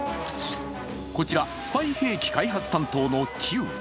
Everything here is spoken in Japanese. こちら、スパイ兵器開発担当のＱ。